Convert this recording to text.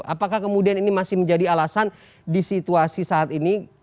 apakah kemudian ini masih menjadi alasan di situasi saat ini